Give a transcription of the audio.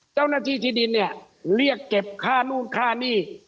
เจ้าหน้าที่ที่ดินเนี่ยเรียกเก็บค่านู่นค่านี่